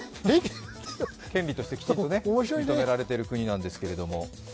権利として認められてる国なんですけど。